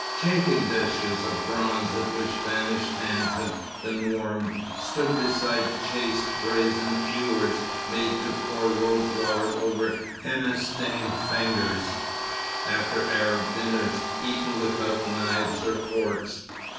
Chafing dishes of bronze at which vanished hands had been warmed, stood beside chased brazen ewers made to pour rose water over henna stained fingers, after Arab dinners, eaten without knives or forks.